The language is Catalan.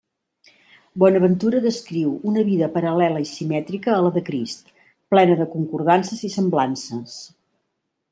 Bonaventura descriu una vida paral·lela i simètrica a la de Crist, plena de concordances i semblances.